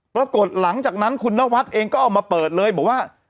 ปรากฏหลังจากนั้นคุณนวัดเองก็เอามาเปิดเลยบอกว่า